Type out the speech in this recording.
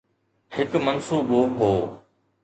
هڪ منصوبو هو.